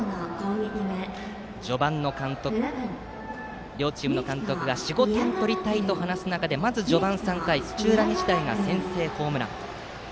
序盤に両チームの監督が４、５点取りたいと話す中で、まず序盤３回土浦日大が先制ホームラン。